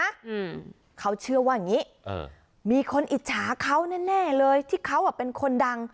อืมเขาเชื่อว่าอย่างงี้เออมีคนอิจฉาเขาแน่แน่เลยที่เขาอ่ะเป็นคนดัง